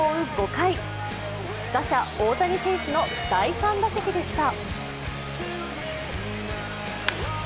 ５回、打者・大谷選手の第３打席でした。